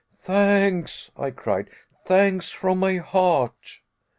"Thanks," I cried; "thanks from my heart."